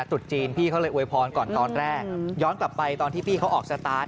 จุดจีนพี่เขาเลยอวยพรก่อนตอนแรกย้อนกลับไปตอนที่พี่เขาออกสตาร์ท